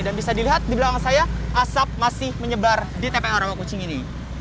dan bisa dilihat di belakang saya asap masih menyebar di tpa rawakucing ini